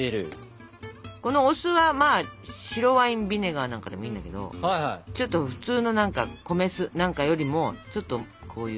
このお酢はまあ白ワインビネガーなんかでもいいんだけどちょっと普通の米酢なんかよりもちょっとこういう。